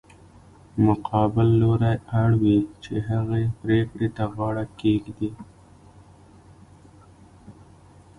مقابل لوری اړ وي چې هغې پرېکړې ته غاړه کېږدي.